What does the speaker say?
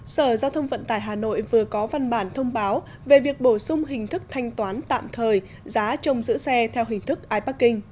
sở giao thông vận tải hà nội vừa có văn bản thông báo về việc bổ sung hình thức thanh toán tạm thời giá trong giữ xe theo hình thức iparking